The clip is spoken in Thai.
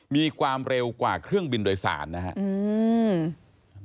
มีความเร็วกว่าเครื่องบินโดยสารนะครับ